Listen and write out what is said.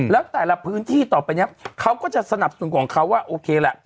แล้วแต่ละพื้นที่ต่อไปเนี่ยเขาก็จะสนับสนุนของเขาว่าโอเคแหละ